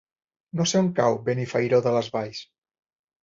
No sé on cau Benifairó de les Valls.